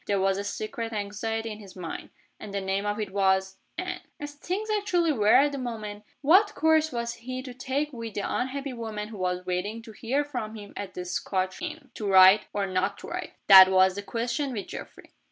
There was a secret anxiety in his mind. And the name of it was Anne. As things actually were at that moment, what course was he to take with the unhappy woman who was waiting to hear from him at the Scotch inn? To write? or not to write? That was the question with Geoffrey.